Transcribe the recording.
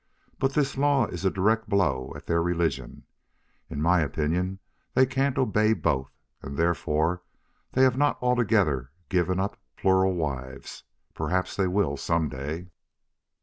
But this law is a direct blow at their religion. In my opinion they can't obey both. And therefore they have not altogether given up plural wives. Perhaps they will some day.